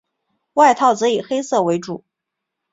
外套则以黑色为主。